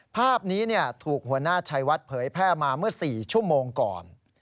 ภาพนี้ถูกหัวหน้าชัยวัดเผยแพร่มาเมื่อ๔ชั่วโมงก่อน